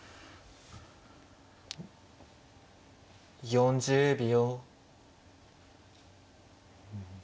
４０秒。